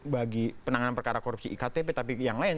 bagi penanganan perkara korupsi iktp tapi yang lain